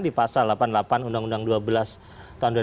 di pasal delapan puluh delapan undang undang dua belas tahun dua ribu dua